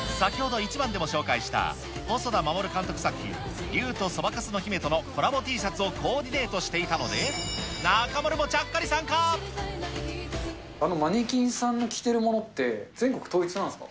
先ほどイチバンでも紹介した細田守監督作品、竜とそばかすの姫とのコラボＴシャツをコーディネートしていたのマネキンさんが着てるものっ統一です。